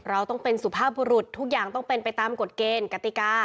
เราต้องเป็นสุภาพบุรุษทุกอย่างต้องเป็นไปตามกฎเกณฑ์กติกา